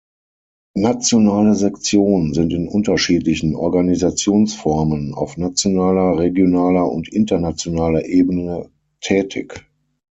Nationale Sektionen sind in unterschiedlichen Organisationsformen auf nationaler, regionaler und internationaler Ebene tätig.